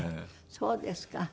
そうですか。